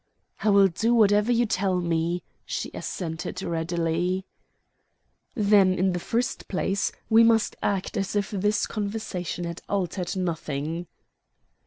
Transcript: "I will do whatever you tell me," she assented readily. "Then in the first place we must act as if this conversation had altered nothing."